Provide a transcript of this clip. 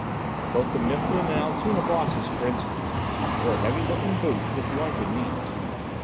Both the Mifflin and Altoona Bosses, for instance, wore heavy looking boots with jointed knees.